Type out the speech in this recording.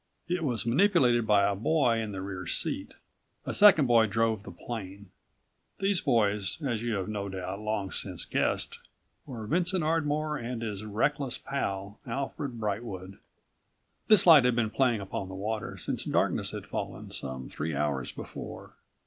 It was manipulated by a boy in the rear seat. A second boy drove the plane. These boys, as you have no doubt long since guessed, were Vincent Ardmore and his reckless pal, Alfred Brightwood. This light had been playing upon the water since darkness had fallen, some three hours before.